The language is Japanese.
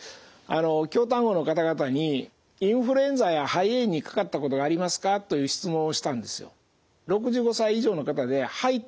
京丹後の方々にインフルエンザや肺炎にかかったことがありますかという質問をしたんですよ。